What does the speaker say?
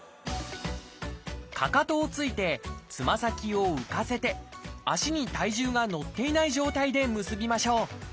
かかとを着いてつま先を浮かせて足に体重が乗っていない状態で結びましょう。